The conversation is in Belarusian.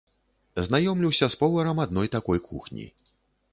Знаёмлюся з поварам адной такой кухні.